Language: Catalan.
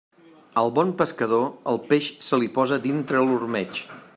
Al bon pescador, el peix se li posa dintre l'ormeig.